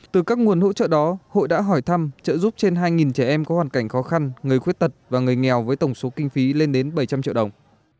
từ các nguồn hỗ trợ đó hội đã hỏi thăm trợ giúp trên hai trẻ em có hoàn cảnh khó khăn người khuyết tật và người nghèo với tổng số kinh phí lên đến bảy trăm linh triệu đồng